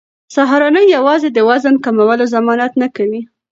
سهارنۍ یوازې د وزن کمولو ضمانت نه کوي.